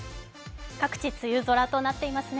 各地、梅雨空となっていますね。